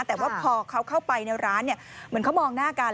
แต่ว่าพอเขาเข้าไปในร้านเหมือนเขามองหน้ากัน